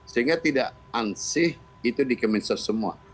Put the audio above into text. sehingga tidak ansih itu di kemin sos semua